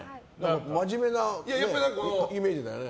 真面目なイメージだよね。